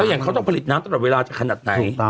อย่างเขาต้องผลิตน้ำตลอดเวลาจะขนาดไหน